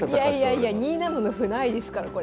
いやいやいや２七の歩ないですからこれ。